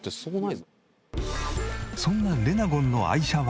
そんなレナゴンの愛車は。